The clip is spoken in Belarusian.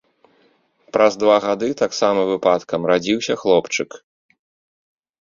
Праз два гады, таксама выпадкам, радзіўся хлопчык.